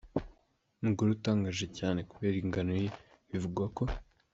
Umugore utangaje cyane kubera ingano ye bivugwa ko.